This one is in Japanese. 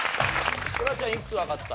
トラちゃんいくつわかった？